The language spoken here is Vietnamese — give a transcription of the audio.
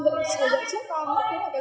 dạy trước con mất cái gì hết